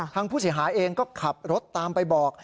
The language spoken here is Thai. ทางผู้เสียหายเองก็ขับรถตามไปบอก